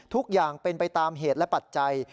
ทุกอย่างเป็นไปตามเหตุและปัจจัย